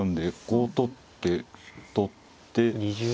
こう取って取って。